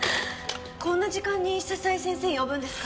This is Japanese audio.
こんな時間に佐々井先生呼ぶんですか？